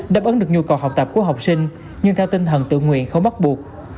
đáp ứng được nhu cầu học tập của học sinh nhưng theo tinh thần tự nguyện không bắt buộc